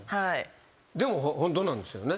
でも本当なんですよね？